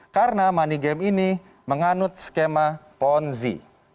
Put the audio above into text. karena money game ini menganut skema ponzi